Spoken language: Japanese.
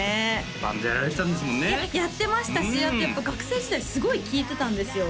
バンドやられてたんですもんねやってましたしあとやっぱ学生時代すごい聴いてたんですよ